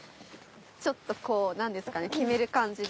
ちょっとこうなんですかねキメる感じで。